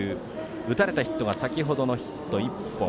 打たれたヒットが先ほどのヒット１本。